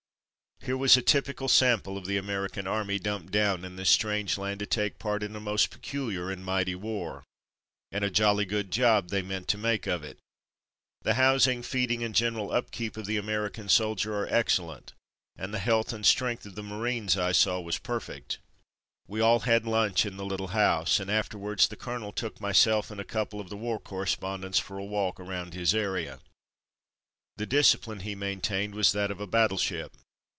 Here was a typical sample of the Amer ican Army dumped down in this strange land to take part in a most peculiar and mighty war. And a jolly good job they meant to make of it. The housing, feeding, and general upkeep of the American soldier are excellent, and the health and strength of the Marines I saw was perfect. We all had lunch in the little house, and afterwards the colonel took myself and a couple of the war correspondents for a walk around his area. The discipline he maintained was that of a battleship.